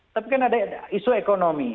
tapi kan ada isu ekonomi